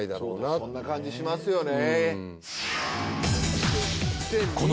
そんな感じしますよね。